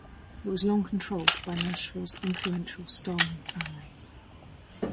It was long controlled by Nashville's influential Stahlman family.